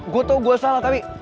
gue tuh gue salah tapi